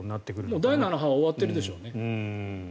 もう第７波は終わっているでしょうね。